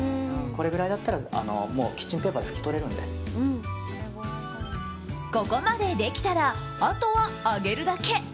これぐらいだったらキッチンペーパーでここまでできたらあとは揚げるだけ。